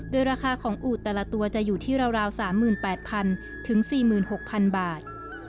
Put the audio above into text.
โดยราคาของอูดแต่ละตัวจะอยู่ที่ราว๓๘๐๐๐ถึง๔๖๐๐บาท